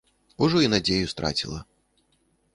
Ужо і надзею страціла.